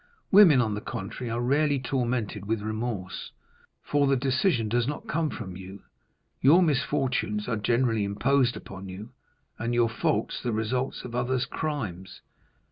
Women, on the contrary, are rarely tormented with remorse; for the decision does not come from you,—your misfortunes are generally imposed upon you, and your faults the results of others' crimes."